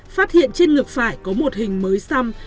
phát hiện trên ngược phải có một hình mới xăm